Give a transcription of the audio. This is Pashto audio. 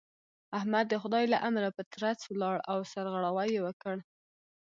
احمد د خدای له امره په ترڅ ولاړ او سرغړاوی يې وکړ.